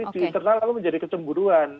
di internal lalu menjadi kecemburuan